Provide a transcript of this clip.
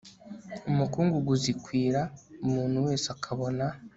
umukungugu uzikwira umuntu wese akabona